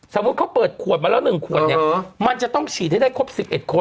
สมมุติเขาเปิดขวดมาแล้ว๑ขวดเนี่ยมันจะต้องฉีดให้ได้ครบ๑๑คน